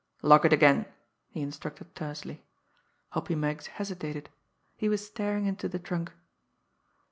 "Lock it again!" he instructed tersely. Hoppy Meggs hesitated he was staring into the trunk.